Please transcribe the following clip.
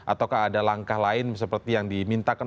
ataukah ada langkah lain seperti yang dimintakan